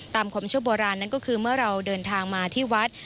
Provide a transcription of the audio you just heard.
ตามความเชื่อโบราณนั้นก็คือเมื่อเราเดินทางมาที่วัด